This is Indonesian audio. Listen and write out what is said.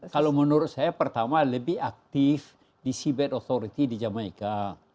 kalau menurut saya pertama lebih aktif di seabed authority di jamaica